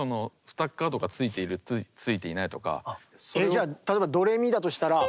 じゃあ例えばドレミだとしたら。